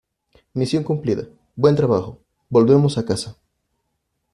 Misión cumplida. Buen trabajo . Volvemos a casa .